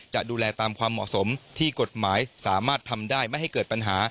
จะดูแลตามความเหมาะสมที่กฎหมายสามารถทำได้ไม่ให้เกิดปัญหา